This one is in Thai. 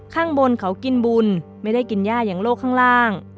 ข้างบนเขากินบุญไม่ได้กินย่าอย่างโลกข้างล่าง